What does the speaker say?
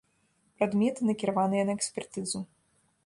Прадметы накіраваныя на экспертызу.